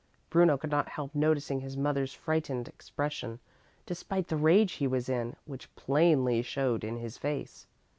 Bruno could not help noticing his mother's frightened expression, despite the rage he was in, which plainly showed in his face.